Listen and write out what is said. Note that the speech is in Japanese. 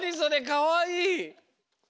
かわいい！